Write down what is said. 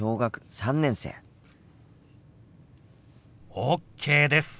ＯＫです。